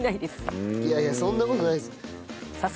いやいやそんな事ないです。